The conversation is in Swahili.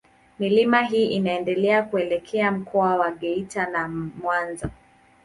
Milima hii inaendelea kuelekea Mkoa wa Geita na Mwanza.